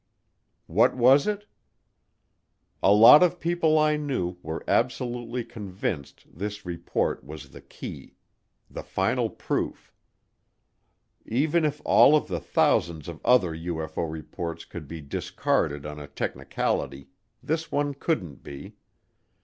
What was it? A lot of people I knew were absolutely convinced this report was the key the final proof. Even if all of the thousands of other UFO reports could be discarded on a technicality, this one couldn't be.